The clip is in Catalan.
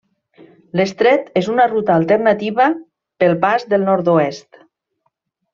L'estret és una ruta alternativa pel Pas del Nord-oest.